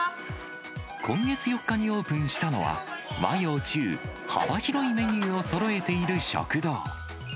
今月４日にオープンしたのは、和洋中、幅広いメニューをそろえている食堂。